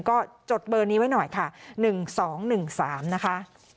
ก็จดเบอร์นี้ไว้หน่อยค่ะ๑๒๑๓นะคะ